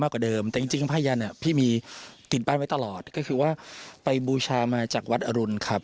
ก็คือว่าไปบูชามาจากวัดอรุณครับ